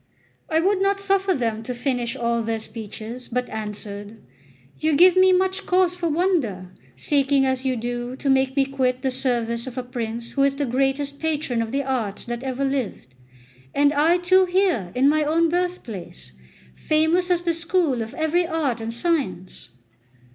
I would not suffer them to finish all their speeches, but answered: "You give me much cause for wonder, seeking as you do to make me quit the service of a prince who is the greatest patron of the arts that ever lived; and I too here in my own birthplace, famous as the school of every art and science!